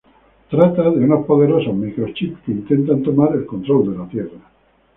Se trata sobre unos poderosos Microchips que intentan tomar el control de La Tierra.